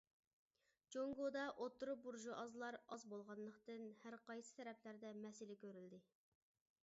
جۇڭگودا ئوتتۇرا بۇرژۇئازلار ئاز بولغانلىقتىن، ھەرقايسى تەرەپلەردە مەسىلە كۆرۈلدى.